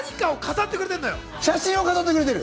写真を飾ってくれる。